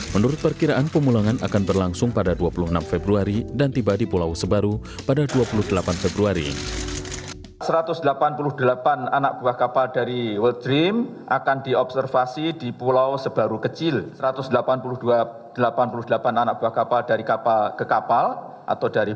menurut perkiraan pemulangan akan berlangsung pada dua puluh enam februari dan tiba di pulau sebaru pada dua puluh delapan februari